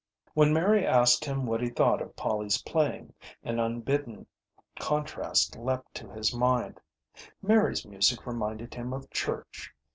When Mary asked him what he thought of Polly's playing, an unbidden contrast leaped to his mind. Mary's music reminded him of church.